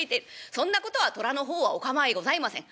そんなことはトラの方はお構いございません。